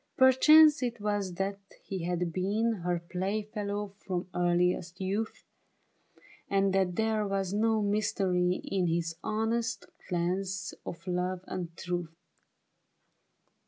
Perchance it was that he had been Her play fellow from earliest youth. And that there was no mystery in His honest glance of love and truth.